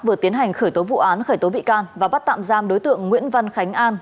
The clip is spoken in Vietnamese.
vừa tiến hành khởi tố vụ án khởi tố bị can và bắt tạm giam đối tượng nguyễn văn khánh an